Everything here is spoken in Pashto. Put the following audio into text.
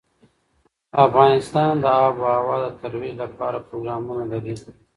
افغانستان د آب وهوا د ترویج لپاره پروګرامونه لري.